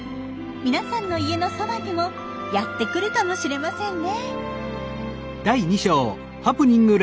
みなさんの家のそばにもやって来るかもしれませんね。